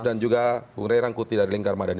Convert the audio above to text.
dan juga bung rey rangkuti dari lingkar madani